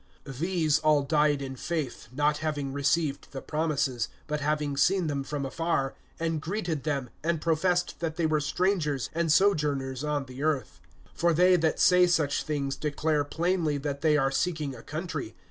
(13)These all died in faith, not having received the promises, but having seen them from afar, and greeted them, and professed that they were strangers and sojourners on the earth. (14)For they that say such things declare plainly, that they are seeking a country.